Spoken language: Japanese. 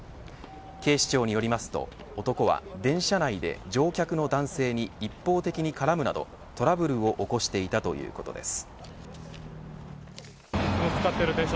警視庁によりますと男は電車内で乗客の男性に一方的に絡むなどトラブルを起こしていたということです。